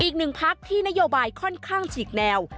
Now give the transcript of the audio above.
อีกหนึ่งพักที่นโยบายค่อนข้างฉีกแนว